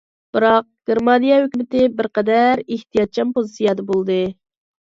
بىراق، گېرمانىيە ھۆكۈمىتى بىر قەدەر ئېھتىياتچان پوزىتسىيەدە بولدى.